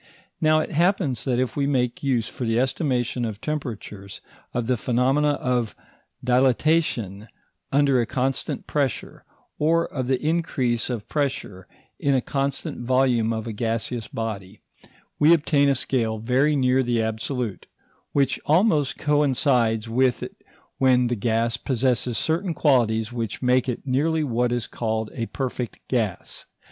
Now it happens that if we make use for the estimation of temperatures, of the phenomena of dilatation under a constant pressure, or of the increase of pressure in a constant volume of a gaseous body, we obtain a scale very near the absolute, which almost coincides with it when the gas possesses certain qualities which make it nearly what is called a perfect gas.